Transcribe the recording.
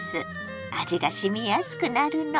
味がしみやすくなるの。